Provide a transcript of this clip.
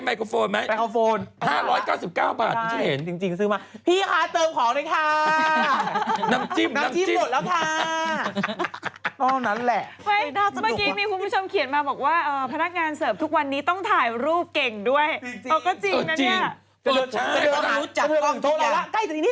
มันไม่ได้เป็นการไปกินเพื่อเริ่มรอบมันสนุกมากเลยนี่